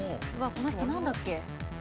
このなんだっけ？